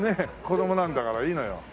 子どもなんだからいいのよ。